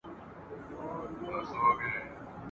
اوس یې مخ ته سمندر دی غوړېدلی !.